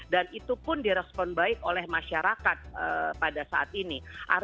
dan itu pun direspon baik oleh masyarakat pada saat ini